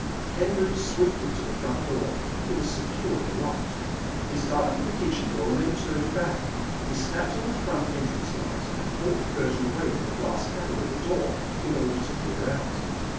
Ken moved swiftly to the front door. It was securely locked. He started for the kitchen door and then turned back. He snapped on the front entrance light and pulled the curtain away from the glass panel in the door in order to peer out.